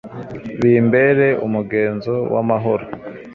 bimbere umugenzo w'amahoro